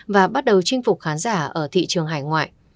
và bắt đầu chinh phục khán giả ở thị trường hải ngoại